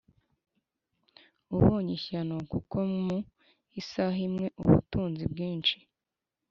ubonye ishyano kuko mu isaha imwe ubutunzi bwinshi